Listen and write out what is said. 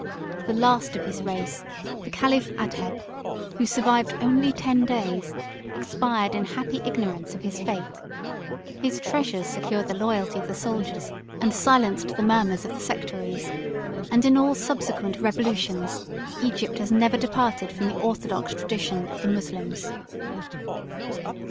The last of his race, the caliph Adhed, who survived only ten days, expired in happy ignorance of his fate; his treasures secured the loyalty of the soldiers, and silenced the murmurs of the sectaries; and in all subsequent revolutions, Egypt has never departed from the orthodox tradition of the Moslems.